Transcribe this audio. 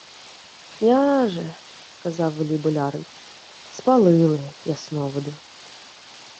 — Княже, — сказав велій болярин, — спалили... Ясновиду.